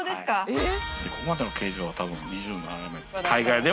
ここまでの形状は多分。